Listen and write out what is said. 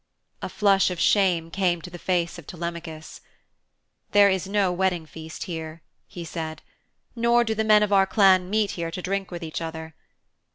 A flush of shame came to the face of Telemachus. 'There is no wedding feast here,' he said, 'nor do the men of our clan meet here to drink with each other.